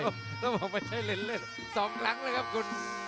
ต้องบอกว่าไม่ใช่เล่นสองครั้งแล้วครับคุณสิทธิ์